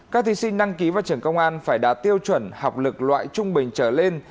các thí sinh đăng ký vào trường công an phải đạt tiêu chuẩn học lực loại trung bình trở lên